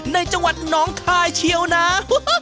ในจังหวัดน้องคายเชียวนะ